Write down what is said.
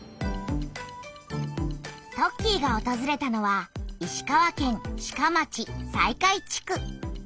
トッキーがおとずれたのは石川県志賀町西海地区。